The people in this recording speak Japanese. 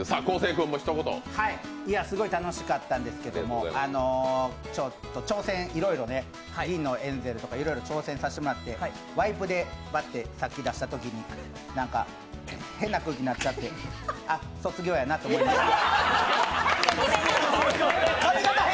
すごい楽しかったんですけども挑戦、銀のエンゼルとかいろいろ挑戦させてもらってワイプでわっとさっき出したときに変な空気になっちゃって、さっき決めたの？